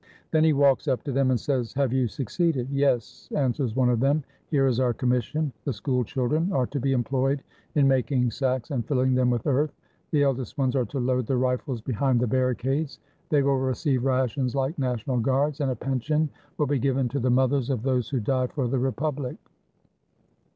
Then he walks up to them and says, "Have you succeeded?" — "Yes," answers one of them, "here is our commission. The school children are to be employed in making sacks and filling them with earth, the eldest ones are to load the rifles behind the barricades. They will receive rations like National Guards, and a pension will be given to the mothers of those who die for the republic.